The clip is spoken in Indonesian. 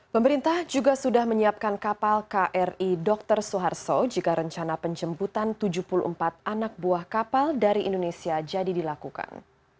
pemerintah juga sudah menyiapkan kapal kri dr suharto jika rencana penjemputan tujuh puluh empat anak buah kapal dari indonesia jadi dilakukan